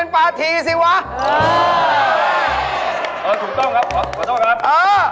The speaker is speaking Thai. ต้องที่ที่สุดครับผม